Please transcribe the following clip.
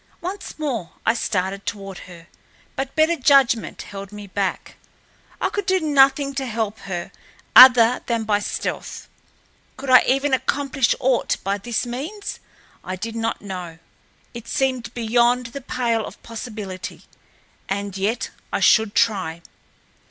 Once more I started toward her, but better judgment held me back—I could do nothing to help her other than by stealth. Could I even accomplish aught by this means? I did not know. It seemed beyond the pale of possibility, and yet I should try.